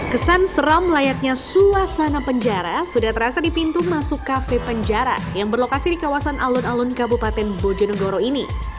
kesan seram layaknya suasana penjara sudah terasa di pintu masuk kafe penjara yang berlokasi di kawasan alun alun kabupaten bojonegoro ini